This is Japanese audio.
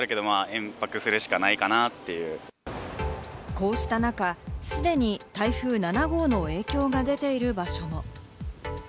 こうした中、すでに台風７号の影響が出ている場所も。